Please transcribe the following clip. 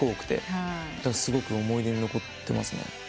すごく思い出に残ってますね。